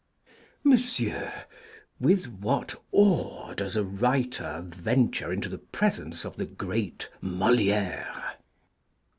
Monsieur, With what awe does a writer venture into the presence of the great Moliére!